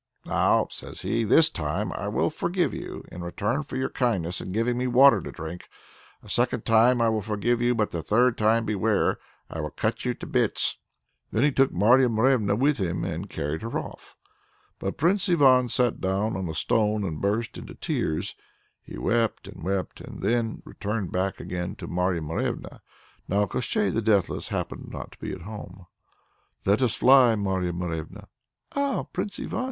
"Now," says he, "this time I will forgive you, in return for your kindness in giving me water to drink. And a second time I will forgive you; but the third time beware! I will cut you to bits." Then he took Marya Morevna from him, and carried her off. But Prince Ivan sat down on a stone and burst into tears. He wept and wept and then returned back again to Marya Morevna. Now Koshchei the Deathless happened not to be at home. "Let us fly, Marya Morevna!" "Ah, Prince Ivan!